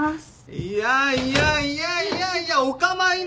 いやいやいやいやいやお構いなく！